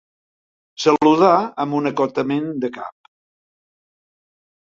Saludà amb un acotament de cap.